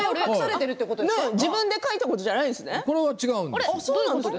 自分で書いたものじゃないんですね。